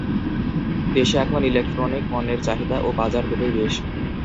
দেশে এখন ইলেকট্রনিক পণ্যের চাহিদা ও বাজার দুটোই বেশ।